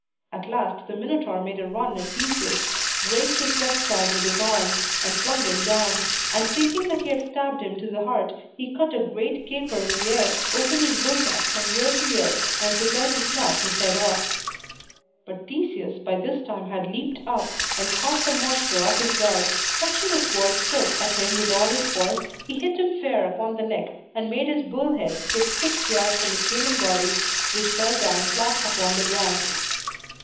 At last, the Minotaur made a run at Theseus, grazed his left side with his horn, and flung him down; and thinking that he had stabbed him to the heart, he cut a great caper in the air, opened his bull mouth from ear to ear, and prepared to snap his head off. But Theseus by this time had leaped up, and caught the monster off his guard. Fetching a sword stroke at him with all his force, he hit him fair upon the neck, and made his bull head skip six yards from his human body, which fell down flat upon the ground.